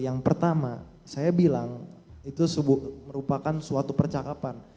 yang pertama saya bilang itu merupakan suatu percakapan